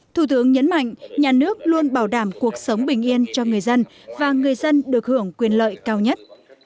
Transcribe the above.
thủ tướng nhấn mạnh nhà nước luôn bảo đảm cuộc sống bình yên cho người dân và người dân được hưởng quyền lợi cao nhất